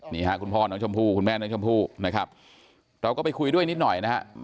นี่ฮะคุณพ่อน้องชมพู่คุณแม่น้องชมพู่นะครับเราก็ไปคุยด้วยนิดหน่อยนะครับ